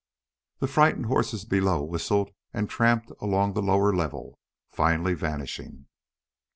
The frightened horses below whistled and tramped along the lower level, finally vanishing.